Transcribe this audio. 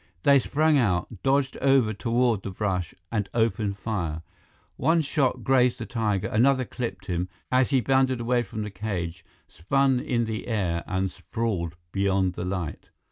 They sprang out, dodged over toward the brush, and opened fire. One shot grazed the tiger; another clipped him, as he bounded away from the cage, spun in the air and sprawled beyond the light.